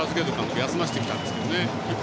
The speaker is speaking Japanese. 休ませてきたんですけどね。